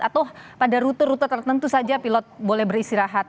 atau pada rute rute tertentu saja pilot boleh beristirahat